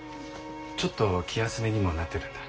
ちょっと気休めにもなってるんだ。